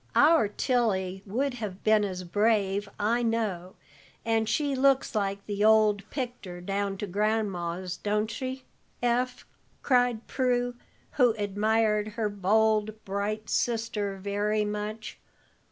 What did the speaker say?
"Our Tilly would have been as brave, I know, and she looks like the old picter down to Grandma's, don't she, Eph?" cried Prue, who admired her bold, bright sister very much.